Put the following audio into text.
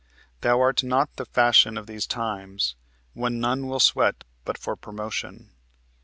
Thou art not for the fashion of these times, When none will sweat but for promotion."